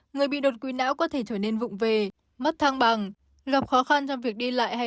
người bị đột quỵ não có thể trở nên vụn về mất thang bằng gặp khó khăn trong việc đi lại hay